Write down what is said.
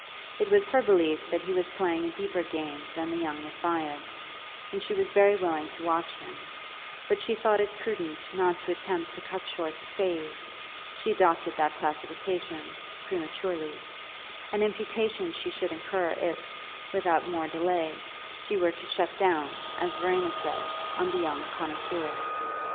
It was her belief that he was playing a deeper game than the young Matthias, and she was very willing to watch him; but she thought it prudent not to attempt to cut short the phase (she adopted that classification) prematurely an imputation she should incur if, without more delay, she were to "shut down," as Verena said, on the young connoisseur.